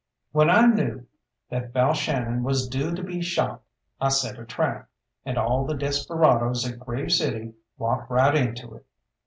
When I knew that Balshannon was due to be shot I set a trap, and all the desperadoes at Grave City walked right into it.